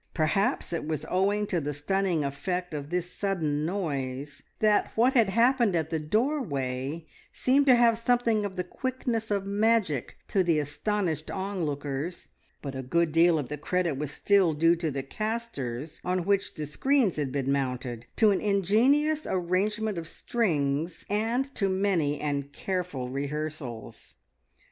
Perhaps it was owing to the stunning effect of this sudden noise that what had happened at the doorway seemed to have something of the quickness of magic to the astonished onlookers, but a good deal of the credit was still due to the castors, on which the screens had been mounted, to an ingenious arrangement of strings, and to many and careful rehearsals.